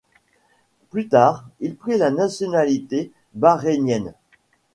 Plus tard, il prit la nationalité bahreïnienne.